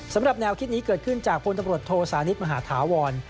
สำหรับแนวคิดนี้เกิดขึ้นจากพลตำรวจโทสานิทมหาธาวร